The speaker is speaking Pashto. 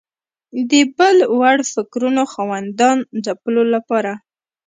د بل وړ فکرونو خاوندانو ځپلو لپاره